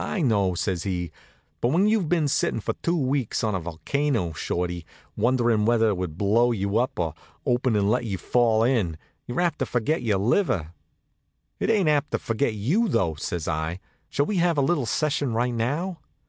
"I know," says he; "but when you've been sitting for two weeks on a volcano, Shorty, wondering whether it would blow you up, or open and let you fall in, you're apt to forget your liver." "It ain't apt to forget you, though," says I. "Shall we have a little session right now?"